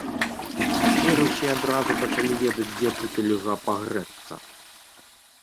Цяпер усе адразу пачалі ведаць, дзе тут льга пагрэцца.